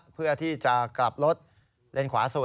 เพื่อที่จะกลับรถเลนขวาสุด